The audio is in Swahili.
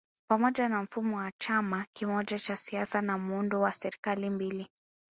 Pamoja na mfumo wa chama kimoja cha siasa na muundo wa serikali mbili